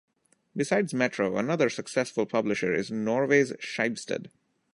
Besides Metro, another successful publisher is Norway's Schibsted.